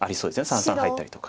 三々入ったりとか。